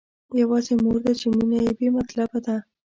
يوازې مور ده چې مينه يې بې مطلبه ده.